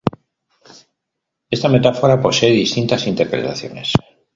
Esta metáfora pose distintas interpretaciones.